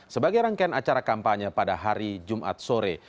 sebagai rangkaian acara kampanye pada hari jumat sore